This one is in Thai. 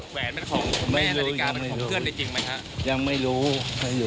แหวนเป็นของคุณแม่นาฬิกาเป็นของเพื่อนในจริงไหมคะ